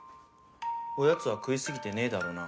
おやつは食いすぎてねえだろうな。